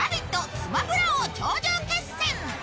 スマブラ王頂上決戦！」。